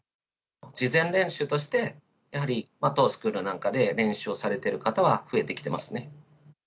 事前練習として、やはり当スクールなんかで練習をされてる方は増えてきてますね。